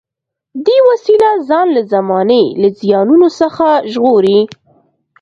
دې وسیله ځان له زمانې له زیانونو څخه ژغوري.